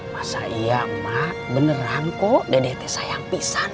masa iya emak beneran kok dedek teh sayang pisah